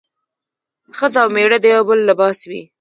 ښځه او مېړه د يو بل لباس وي